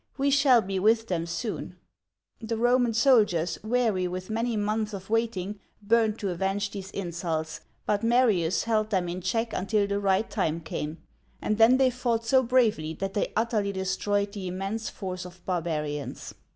We shall be with them soon !'* The Roman soldiers, weary with many months of wait ing, burned to avenge these insults, but Marius held them in check until the right time came, and then they fought so bravely that they utterly destroyed the immense force of barbarians.